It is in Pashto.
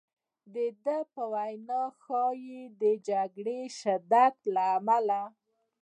د ده په وینا ښایي د جګړې شدت له امله.